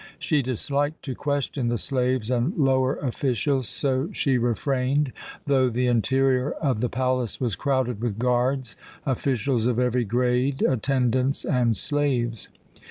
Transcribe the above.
She disliked to question the slaves and lower officials, so she refrained, though the interior of the palace was crowded with guards, officials of every grade, attendants, and slaves.